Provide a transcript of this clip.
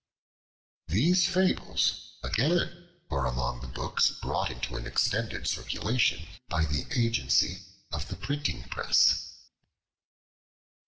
These fables, again, were among the books brought into an extended circulation by the agency of the printing press.